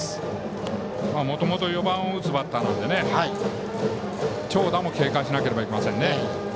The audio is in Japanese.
もともと４番を打つバッターなので長打も警戒しなければいけませんね。